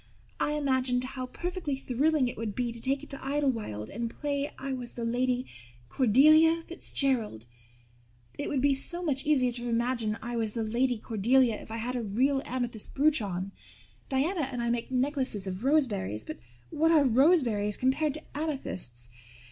I imagined how perfectly thrilling it would be to take it to Idlewild and play I was the Lady Cordelia Fitzgerald. It would be so much easier to imagine I was the Lady Cordelia if I had a real amethyst brooch on. Diana and I make necklaces of roseberries but what are roseberries compared to amethysts?